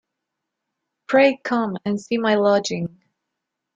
Pray come and see my lodging.